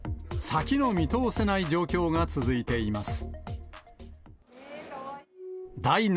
先の見通せない状況が続いています。